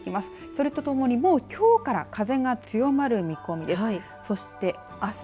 それとともにもうきょうから風が強まる見込みです。